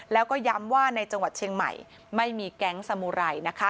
แล้วก็ย้ำว่าในจังหวัดเชียงใหม่ไม่มีแก๊งสมุไรนะคะ